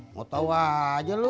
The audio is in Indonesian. mau tau aja lu